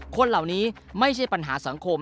คนเหล่านี้ไม่ใช่ปัญหาสังคม